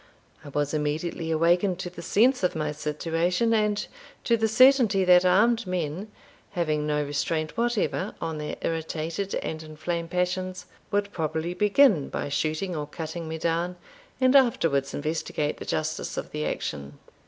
I was immediately awakened to the sense of my situation, and to the certainty that armed men, having no restraint whatever on their irritated and inflamed passions, would probably begin by shooting or cutting me down, and afterwards investigate the justice of the action.